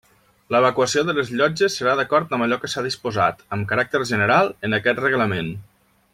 L'evacuació de les llotges serà d'acord amb allò que s'ha disposat, amb caràcter general, en aquest Reglament.